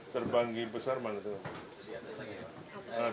terbanggi besar mana tuh